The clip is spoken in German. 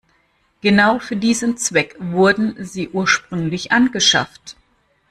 Genau für diesen Zweck wurden sie ursprünglich angeschafft.